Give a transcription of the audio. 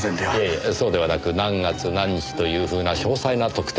いえそうではなく何月何日というふうな詳細な特定なんです。